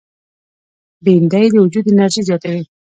بېنډۍ د وجود انرژي زیاتوي